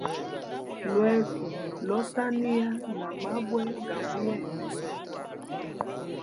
Lweso losaniya na mabwe ga muyende.